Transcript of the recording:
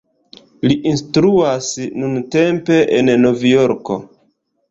Li instruas nuntempe en Novjorko.